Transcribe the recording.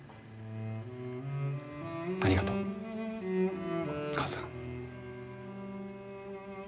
ありがとう母さん。